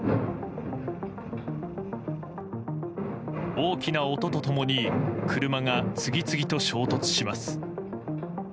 大きな音と共に車が次々と衝突します。